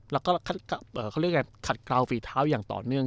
แล้วก็เขาเรียกอะไรขัดกราวฝีเท้าอย่างต่อเนื่อง